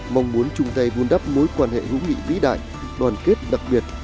mong muốn chung tay vun đắp mối quan hệ hữu nghị vĩ đại đoàn kết đặc biệt